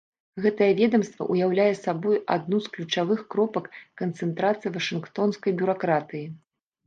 Гэтае ведамства ўяўляе сабой адну з ключавых кропак канцэнтрацыі вашынгтонскай бюракратыі.